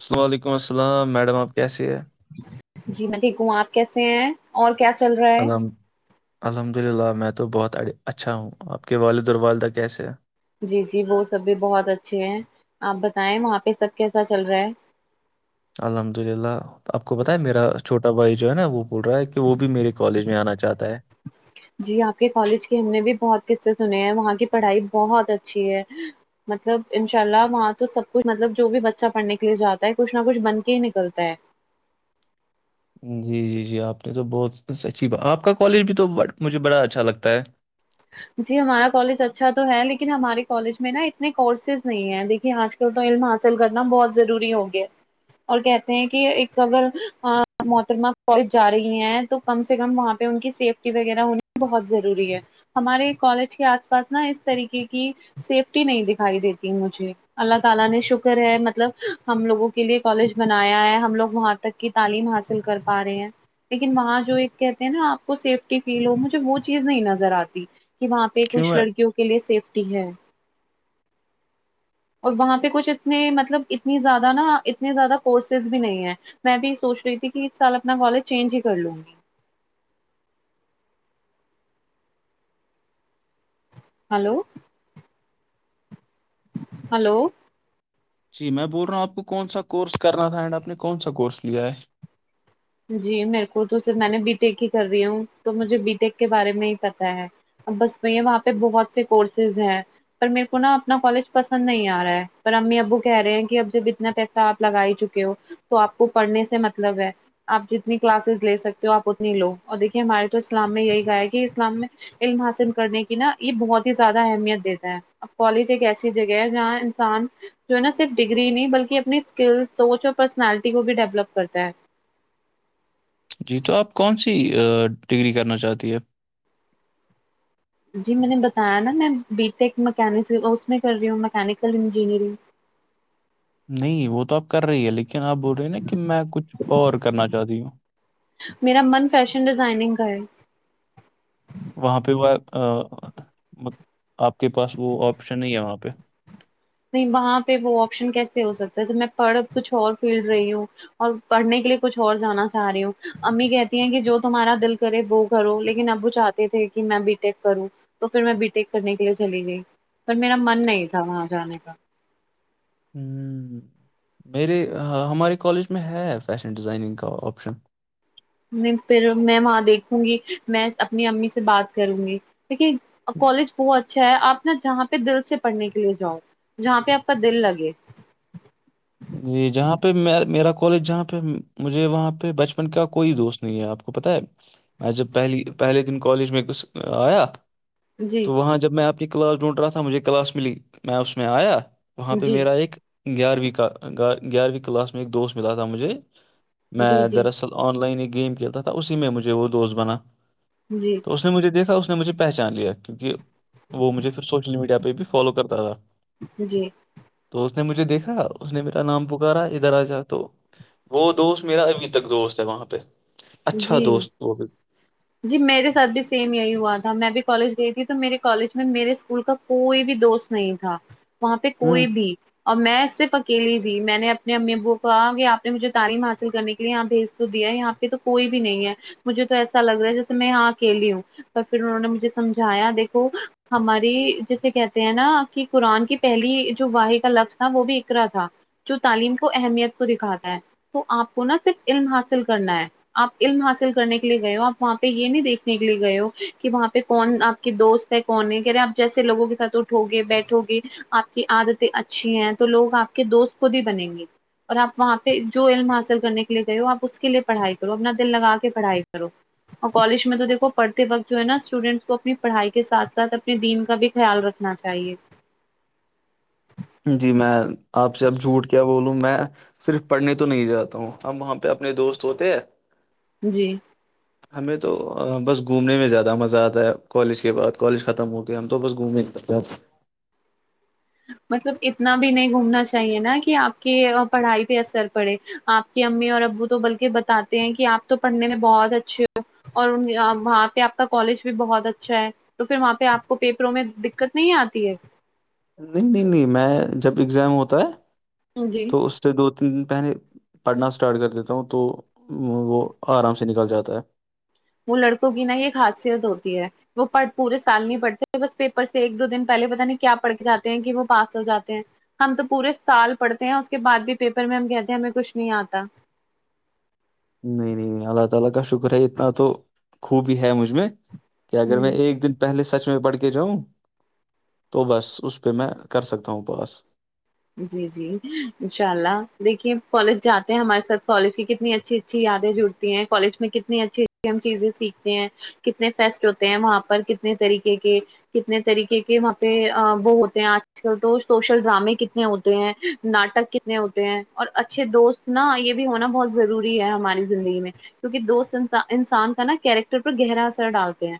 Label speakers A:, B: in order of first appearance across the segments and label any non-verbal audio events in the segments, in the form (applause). A: السلام علیکم میڈم آپ کیسے ہیں
B: جی میں دیکھ ہوں آپ کیسے ہیں اور کیا چل رہا ہے
A: الحم الحمد للہ میں تو بہت اچھا ہوں آپ کے والد اور والدہ کیسے ہے
B: جی جی وہ سب بھی بہت اچھے ہیں آپ بتائیں وہاں پہ سب کیسا چل رہا ہے
A: الحمد للہ آپ کو بتیں میرا چھوٹا بھائی جو ہے نا وہ بول رہا ہے کہ وہ بھی میرے کالج میں آنا چاہتا ہے
B: جی آپ کے کالج کے ہم نے بھی بہت قصے سنے ہیں وہاں کی پڑھائی بہت اچھی ہے مطلب ان شاء اللہ وہاں تو سب کچھ مطلب جو بھی بچہ پڑھنے کے لیے جاتا ہے کچھ نہ کچھ بن کے ہی نکلتا ہے
A: جی جی جی آپ نے تو بہت سچی بات آپ کا کالج بھی تو مجھے بڑا اچھا لگتا ہے
B: جی ہمارا کالج اچھا تو ہے لیکن ہمارے کالج میں نا اتنے کورسز نہیں ہے دیکھیے آج کل تو علم حاصل کرنا بہت ضروری ہو گیا اور کہتے ہیں کہ ایک اگر محترمہ کالج جا رہی ہے تو کم سے کم وہاں پہ ان کی سیفٹی وغیرہ ہونی بہت ضروری ہے ہمارے کالج کے آس پاس نا اس طریقے کی سیفٹی نہیں دکھائی دیتی مجھے پیچھے اللہ تعالی نے شکر ہے مطلب ہم لوگوں کے لیے کالج بنایا ہے ہم لوگ تک کی تعلیم حاصل کر پا رہے ہیں لیکن وہاں جو ایک کہتے ہیں نا آپ کو سیفٹی فیل ہو مجھے وہ چیز نہیں نظر آتی کہ وہاں پہ
A: کیوں
B: کچھ
A: ہے
B: لڑکیوں کے لیئے سیفٹی ہے
A: (unintelligible)
B: اور وہاں پہ کچھ اتنے مطلب اتنی زیادہ نا اتنے زیادہ کورسز بھی نہیں ہے میں بھی سوچ رہی تھی کہ اس سال اپنا کالج چینج ہی کر لوں گی ہلو ہلو
A: جی میں بول رہا ہوں آپ کون سا کورس کرنا تھا اینڈ آپ نے کون سا کورس لیا ہے
B: جی میرے کو تو صرف میں نے بیٹیک ہی کر رہی ہوں تو مجھے بی ٹیک کے بارے میں ہی پتا ہے بس بھییا وہاں پہ بہت سے کورسز ہیں پر میرے کو نا اپنا کالج پسند نہیں آ رہا ہے پر امی ابو کہہ رہے ہیں کہ اب جب اتنا پیسے آپ لگائی چکے ہو تو آپ کو پڑھنے سے مطلب ہے آپ جتنی کلاسز لے سکتے ہو آپ اتنی لو اور دیکھیے ہمارے تو اسلام میں یہی گا ہے کہ اسلام میں علم حاصل کرنے کی نا یہ بہت ہی زیادہ اہمیت دیتا ہے اب کالج ایک ایسی جگہ ہے جہاں انسان جو ہے نا صرف ڈگری نہیں بلکہ اپنی اسکل سوچ اور پرسنالٹی کو بھی ڈیولپ کرتا ہے
A: جی تو آپ کون سی ڈگری کرنا چاہتی ہے
B: جی میں نے بتایا نا میں بی ٹیک مکینس اس میں کر رہی ہوں مکینیکل انجینئرنگ
A: نہیں وہ تو آپ کر رہی ہے لیکن آپ بول رہے نا کہ میں کچھ اور کرنا چاہتی ہوں
B: میرا من فیشن ڈیزائننگ کر ہے
A: وہاں پہ وہ آپ کے پاس وہ آپشن نہیں ہے وہاں پہ
B: نہیں وہاں پہ وہ آپشن کیسے ہو سکتا ہے تو میں پڑھ کچھ اور فیلڈ رہی ہوں اور پڑھنے کے لیے کچھ اور جانا چاہ رہی ہوں امی کہتی ہیں کہ جو تمہارا دل کرے وہ کرو لیکن اب وہ چاہتے تھے کہ میں بی ٹیک کروں تو پھر میں بیٹیک کرنے کے لیے چلی گئی پر میرا من نہیں تھا وہاں جانے کا
A: میرے ہمارے کالج میں ہے فیشن ڈیزائننگ کا آپشن
B: نہیں پھر میں وہاں دیکھوں گی میں اپنی امی سے بات کروں گی ٹھیک ہے کالج وہ اچھا ہے آپ نا جہاں پہ دل سے پڑھنے کے لیے جاؤ جہاں پہ آپ کا دل لگے
A: جی جہاں پہ میرا کالج جہاں پہ مجھے وہاں پہ بچپن کا کوئی دوست نہیں ہے آپ کو پتہ ہے میں جب پہلی پہلے دن کالج میں آیا
B: جی
A: تو وہاں جب میں اپنی کلاس ڈھونٹ رہا تھا مجھے کلاس ملی میں اس میں آیا وہاں پہ
B: جی
A: میرا ایک گیارہویں کا گیارہویں کلاس میں ایک دوست ملا تھا مجھے میں
B: جی جی
A: دراصل آن لائن ایک گیم کھیلتا تھا اسی میں مجھے وہ دوست بنا
B: جی
A: تو اس نے مجھے دیکھا اس نے مجھے پہچان لیا کیونکہ وہ مجھے پھر سوشل میڈیا پہ بھی فالو کرتا تھا
B: جی
A: تو اس نے مجھے دیکھا اس نے میرا نام پکارا ادھر آ جا تو وہ دوست میرا ابھی تک دوست ہے وہاں پہ
B: جی
A: اچھا دوست وہ بھی
B: جی میرے ساتھ بھی سیم یہی ہوا تھا میں بھی کالج گئی تھی تو میرے کالج میں میرے اسکول کا کوئی بھی دوست نہیں تھا وہاں پہ
A: ہوں
B: کوئی بھی اور میں اس ص سےف اکیلی تھی میں نے اپنے امی ابو کو کہا کہ آپ نے مجھے تعلیم حاصل کرنے کے لیے یہاں بھیج تو دیا یہاں یہ تو کوئی بھی نہیں ہے مجھے تو ایسا لگ رہا ہے جسے میں یہاں اکیلی ہوں تو پھر انہوں نے مجھے سمجھایا دیکھو ہماری جیسے کہتے ہیں نا کہ قرآن کی پہلی جو واح کا لفظ تھا وہ بھی اکرا تھا جو تعلیم کو اہمیت کو دکھاتا ہے تو آپ کو نہا صرف علم حاصل کرنا ہے آپ علم حاصل کرنے کے لیے گئے ہو آپ وہاں پہ یہ نہیں دیکھنے کے لیے گئے ہو کہ وہاں پہ کون آپ کے دوست کون ہے کہہ رہے آپ جیسے لووں کے سھ اٹھو گے بیٹھو گے آپ کی عادتیں اچھی ہیں تو لوگ آپ کے دوست خود ہی بنیں گے اور آپ وہاں پہ جو علم حاصل کرنے کے لیے گئے ہو آپ اس کے لیے پڑھائی کرو اپنا دل لگا کے پڑھائی کرو اور کالج میں تویکھو پڑھتے وقت جو ہے نا اسٹوڈینٹس کو اپنی پڑھائی کے ساتھ ساتھ اپنے دین کا بھی خیال رکھنا چاہیے
A: جی میں آپ سے اب جھوٹ کیا بولوں میں صرف پڑھنے تو نہیں جاتا ہوں اب وہاں پہ اپنے دوست ہوتے ہیں
B: جی
A: (unintelligible) ہمیں تو بس گھومنے میں زیادہ مزہ آتا ہے کالج کے بعد کالج ختم ہو کے ہم تو بس گھوم ہی نہیں پتے
B: مطلب اتنا بھی نہیں گھومنا چاہیے نا کہ آپ کی پڑھائی پہ اثر پڑے آپ کی امی اور ابو تو بلکہ بتاتے ہیں کہ آپ تو پڑھنے میں بہت اچھے ہو اور وہاں پہ آپ کا کالج بھی بہت اچھا ہے تو پھر وہاں پہ آپ کو پیپروں میں دقت نہیں آتی ہے
A: نہیں نہیں نہیں میں جب ایگزام ہوتا ہے
B: ہاں جی
A: اس سے دو تین دن پہلے پڑھنا اسٹارٹ کر دیتا ہوں تو وہ آرام سے نکل جاتا ہے
B: وہ لڑکوں کی نہ یہ خاصیت ہوتی ہے وہ پڑ پورے سال نہیں پڑھتے تھ بس پیپر سے ایک دو دن پہلے پتا نہیں کیا پڑھ کے جاتے ہیں کہ وہ پاس ہو جاتے ہیں ہم تو پورے سال پڑھتے ہیں اس کے بعد بھی پیپر میں ہم کہتے ہیں ہمیں کچھ نہیں آتا
A: نہیں اللہ تعالی کا شکر ہے اتنا تو خوبی ہے مجھ میں کہ اگر
B: ہ
A: میں ایک دن پہلے سچ میں پڑھ کے جاؤں تو بس اس پہ میں کر سکتا ہوں پاس
B: جی جی انشاء اللہ دیکھیے کالج جاتے ہیں ہمارے ساتھ کالج کی کتنی اچھی اچھی یادیں جڑتی کالج میں کتنی اچھی اچھی ہم چیزیں سیکھتے ہیں کتنے فیسٹ ہوتے ہیں وہاں پر کتنے طریقے کے کتنے طریقے کے وہاں پہ وہ ہوتے ہیں آج کل تو سوشل ڈرامے کتنے کتنے ہوتے ہیں ناٹک کتنے ہوتے ہیں اور اچھے دوست نا یہ بھی ہونا بہت ضروری ہے ہماری زندگی میں کیونکہ دوست انسان کا نا کیریکٹر پر گہرا اثر ڈالتے ہیں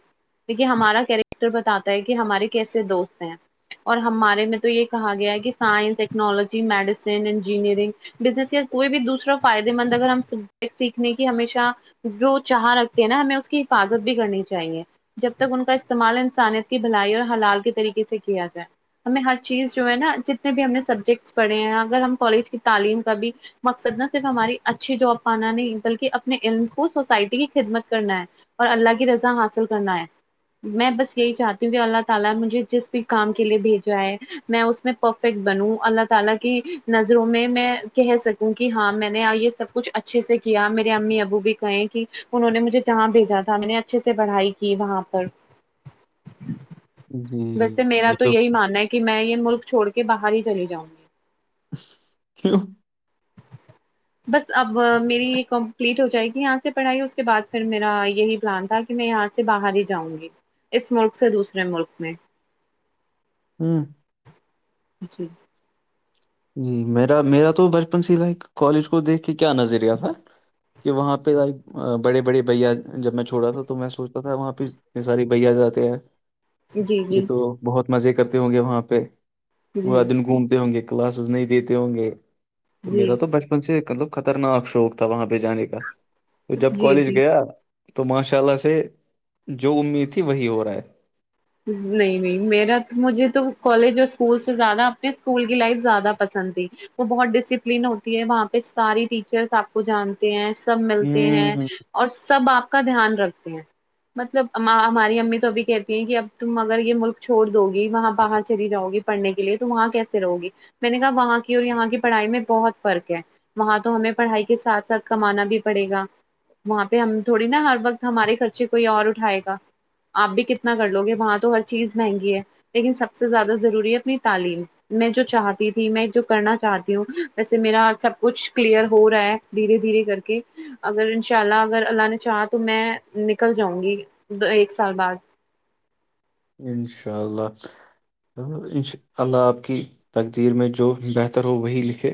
B: دیکے ہمارا کیریکٹر بتاتا ہے کہ ہمارے کیسے دوست ہیں اور ہمارے میں تو یہ کہا گیا ہے کہ science technology medicine engineering business یا کوئی بھی دوسرا فائدے مند اگر ہم سیکھنے کی ہمیشہ جو چاہ رکھتی ہیں نا ہمیں اس کی حفاظت بھی کرنی چاہیے جب تک ان کا استعمال انسانیت کی بھلائی اور حلال کے طریقے سے کیا جائے ہمیں ہر چیز جو ہے نا جتنے بھی ہم نے سبجیکٹس پڑھے ہیں اگر ہم کالج کی تعلیم کا بھی مقصد نہ صرف ہماری اچھی جاب پانا نہیں بلکہ اپنے علم کو سوسائٹی کی خدمت کرنا ہے اور اللہ کی رضا حاصل کرنا ہے میں بس یہی چاہتی ہوں کہ اللہ تعالینے مجھے جس بھی کام کے لیے بھیجا ہے میں اس میں پرفیکٹ بنوں اللہ تعالی کی نظروں میں میں کہہ سکوں کہ ہاں میں نے یہ سب کچھ اچھا اچھے سے کیا میرے امی ابو بھی کہے کہ انہوں نے مجھے جہاں بھیجا تھا میں نے اچھے سے پڑھائی کی وہاں پر
A: (inaudible) جی جی
B: ویسے میرا
A: یہ
B: تو یہی ماننا ہے کہ میں یہ ملک چھوڑ کے باہر ہی چلی جاؤں گی
A: کی (unintelligible)
B: بس اب میری یہ کمپلیٹ ہو جائے گی یہاں سے پڑھائی اس کے بعد پھر میرا یہی پلان تھا کہ میں یہاں سے باہر ہی جاؤں گی اس ملک سے دوسرے ملک میں
A: ہوں
B: جی
A: جی میرا میرا تو بچپن سے کالج کو دیکھ کے کیا نظریہ تھا کہ وہاں پہ ایک بڑے بڑے بھیا جب میں چھوتا تھا تو میں سوچتا تھا وہاں پہ یہ ساری بھیا جاتے ہیں
B: جی
A: یہ
B: جی
A: تو بہت مزے کرتے ہوں گے وہاں پہ
B: جی
A: پورا دن گھومتے ہوں گے کلاسز نہیں دیتے ہوں گے تو
B: جی
A: میرا تو بچپن سے مطلب خطرناک شوق تھا وہاں پہ جانے کا تو جب
B: جی
A: کالج
B: جی
A: گیا تو ماشاء اللہ سے جو امید تھی وہی ہو رہا ہے
B: نہیں نہیں میرا مجھے تو کالج اور اسکول سے زیادہ اپنے اسکول کی لائف زیادہ پسند تھی وہ بہت ڈسپلین ہوتی ہے وہاں پہ ساری ٹیچرس آپ کو جانتے ہیں سب ملتے ہیں
A: ہوں
B: اور سب آپ کا دھیان رکھتے ہیں مطلب ہماری امی تو ابھی کہتی ہیں کہ اب تم اگر یہ ملک چھوڑ دو گی وہاں باہر چلی جاؤ گی پڑھنے کے لیے تو وہاں کیسے رہو گی میں نے کہا وہاں کی اور یہاں کی پڑھائی میں بہت فرق ہے وہاں تو ہمیں پڑھائی کے ساتھ ساتھ کمانا بھی پڑے گا وہاں پہ ہم تھوڑی نا ہر وقت ہمارے خرچے کوئی اور اٹھائے گا آپ بھی کتنا کر لو گے وہاں تو ہر چیز مہنگی ہے لیکن سب سے زیادہ ضروری ہے اپنی تعلیم میں جو چاہتی تھی میں جو کرنا چاہتی ہوں ویسے میرا سب کچھ کلیئر ہو رہا ہے دھیرے دھیرے کر کے اگر ان شاء اللہ اگر اللہ نے چاہا تو میں نکل جاؤں گی ایک سال بعد
A: ا شاء اللہ انشاء اللہ آپ کی تقدیر میں جو بہتر ہو وہی لکھے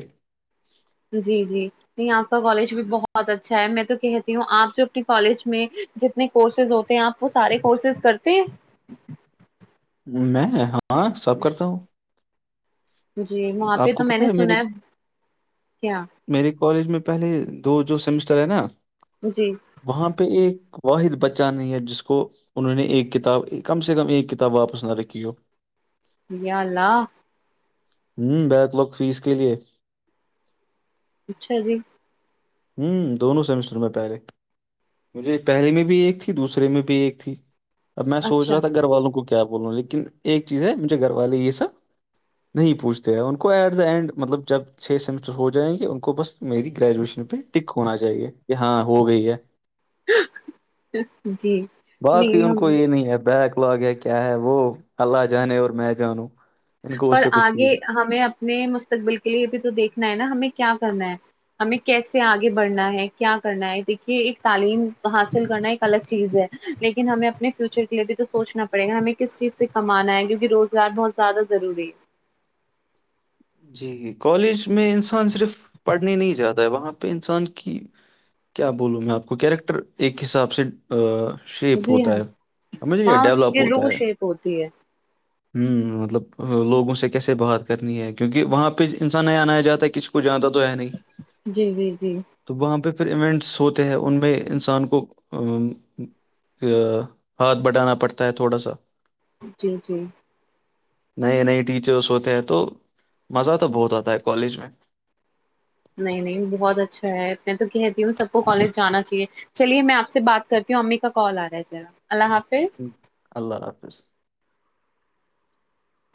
B: جی جی یہ آپ کا کالج بھی بہت اچھا ہے میں تو کہتی ہوں آپ جو اپنی کالج میں جتنے کورسز ہوتے ہیں آپ وہ سارے کورسز کرتے ہیں
A: میں ہاں سب کرتا ہوں
B: جی وہاں پہ
A: آپ
B: تو
A: کو
B: میں
A: پتا
B: نے سنا
A: میرے
B: ہے کیا
A: میرے کالج میں پہلے دو جو سیمسٹر ہے نا
B: جی
A: وہاں پہ ایک واحد بچہ نہیں ہے جس کو انہوں نے ایک کتاب کم سے کم ایک کب توت واپ نہ رکیو (unintelligible)
B: یا اللہ
A: ہوں بیک لگ فیس کے لیے
B: اچھا جی
A: ہوں دونوں سمسٹر میں پہریک مجھے پہلے میں بھی ایک تھی دوسرے میں بھی ایک تھی اب میں سوچ
B: اچھا
A: رہا تھا گھر والوں کو کیا بولوں لیکن ایک چیز ہے مجھے گھر والے یہ سب نہیں پوچھتے ہیں ان کو ایٹ دا اینڈ مطلب جب چھ سیمسٹر ہو جائیں گے ان کو بس میری گریجویشن پہ ٹک ہونا چاہیے کہ ہاں ہو گئی ہے
B: جی
A: باقی
B: نہیں
A: ان
B: ہم
A: کو یہ نہیں ہے بیک لگ ہے کہ کیا ہے وہ اللہ جانے اور میں جانوں ان کو اس
B: پر
A: سے کچھ
B: آگے
A: چیز نہیں۔
B: ہمیں اپنے مستقبل کے لیے بھی تو دیکھنا ہے نا ہمیں کیا کرنا ہے ہمیں کیسے آگے بڑھنا ہے کیا کرنا ہے دیکھیے ایک تعلیم حاصل کرنا ایک الگ چیز ہے لیکن ہمیں اپنے فیوچر کے لیے بھی تو سوچنا پڑے گا ہمیں کس چیز سے کمانا ہے کیونکہ روزگار بہت زیادہ ضروری ہے
A: جی جی کالج میں انسان صرف پڑھنے نہیں جاتا ہے وہاں انسان کی کیا بولوں میں آپ کو کیریکٹر ایک حساب سے
B: ہے
A: شیپ
B: جی ہاں
A: ہوتا ہے سجھے یہ
B: وہاں اس
A: ڈیولپ
B: کی
A: ہوتا
B: روح
A: ہے
B: شیپ ہوتی ہے
A: ہوں مطلب لوگوں سے کیسے بات کرنی ہے کیونکہ وہاں پہ انسان نیا آنایا جاتا ہے کسی کو جانتا تو ہے نہیں
B: جی جی جی
A: تو وہاں پہ پھر ایونٹس ہوتے ہیں ان میں انسان کو ہاتھ بٹانا پڑتا ہے تھوڑا سا
B: جی جی
A: نہیں نہیں ٹیچرس ہوتے ہیں تو مزہ تو بہت آتا ہے کالج میں
B: نہیں نہیں بہت اچھا ہے میں تو کہتی ہوں سب کو کالج جانا چاہیے چلیے میں آپ سے بات کرتی ہوں امی کا کال آ رہا ہے ذرا اللہ حافظ
A: اللہ حافظ